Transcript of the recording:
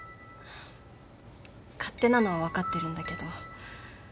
勝手なのは分かってるんだけど。